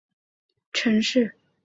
厄斯为位在美国兰姆县的城市。